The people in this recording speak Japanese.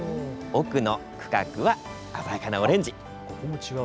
奥の区画は鮮やかなオレンジ。